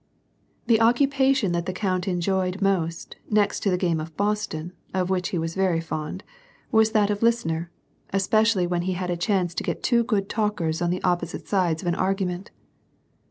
The occupation that the count enjoyed most, next to the game of Boston, of which he was very fond, was that of listener, especially when he had a chance to get two good talkers on the opposite sides of an argument.